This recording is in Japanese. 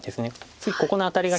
次ここのアタリが。